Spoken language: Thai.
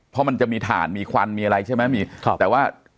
เพราะมันจะมีถ่านมีควันมีอะไรใช่ไหมมีครับแต่ว่า